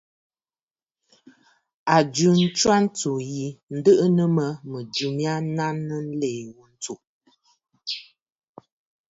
A jɨ ntwaʼa ntsǔ yi, ǹdɨʼɨ nɨ mə mɨ̀jɨ mya naŋsə nlìì ghu ntsù.